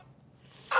あ！